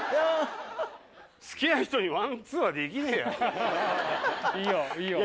好きな人にワンツーはできねえよ。